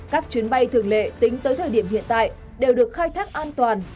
các chuyến bay thường lệ tính tới thời điểm hiện tại đều được khai thác an toàn